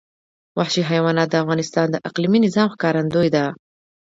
وحشي حیوانات د افغانستان د اقلیمي نظام ښکارندوی ده.